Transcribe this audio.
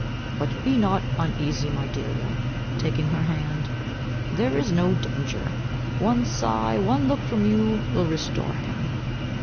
But be not uneasy, my Delia," taking her hand, "there is no danger. One sigh, one look from you will restore him."